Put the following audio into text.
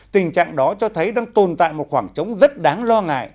tình trạng đó cho thấy đang tồn tại một khoảng trống rất đáng lo ngại